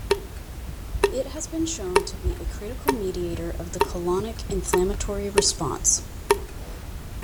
It has been shown to be a critical mediator of the colonic inflammatory response.